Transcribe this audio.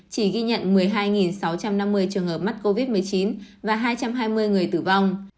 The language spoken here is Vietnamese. chỉ ghi nhận một mươi hai sáu trăm năm mươi trường hợp mắc covid một mươi chín và hai trăm hai mươi người tử vong